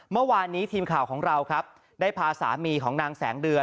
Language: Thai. เมื่อวานนี้ทีมข่าวของเราครับได้พาสามีของนางแสงเดือน